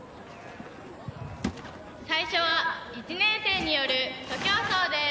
最初は１年生による徒競走です